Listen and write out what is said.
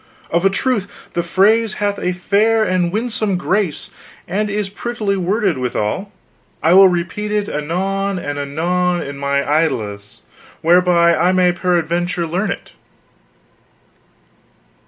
Of a truth the phrase hath a fair and winsome grace, and is prettily worded withal. I will repeat it anon and anon in mine idlesse, whereby I may peradventure learn it.